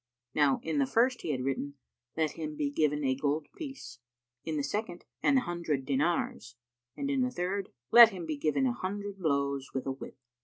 Now in the first he had written, "Let him be given a gold piece," in the second, "An hundred dinars," and in the third, "Let him be given an hundred blows with a whip."